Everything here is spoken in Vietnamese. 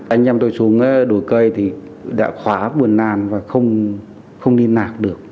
anh em tôi xuống đổ cây thì đã khóa buồn lan và không đi nạc được